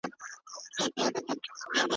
خو په انځور کې نه اوبه وي